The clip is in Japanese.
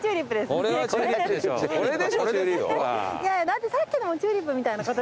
だってさっきのもチューリップみたいな形。